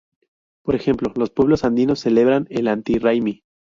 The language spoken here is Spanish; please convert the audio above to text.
Por ejemplo, los pueblos andinos celebran el Inti Raymi.